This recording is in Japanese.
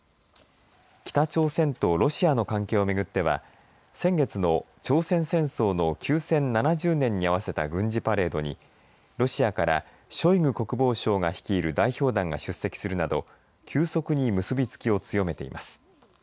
北朝鮮とロシアの関係を巡っては先月の朝鮮戦争の休戦７０年に合わせた軍事パレードに、ロシアからショイグ国防相が率いる代表団が出席するなど急速に結び付きを強めています。